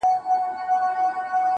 تـا كــړلــه خـــپـــره اشــــنـــــا.